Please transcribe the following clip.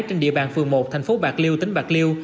trên địa bàn phường một thành phố bạc liêu tỉnh bạc liêu